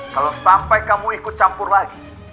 kalau sampai kamu ikut campur lagi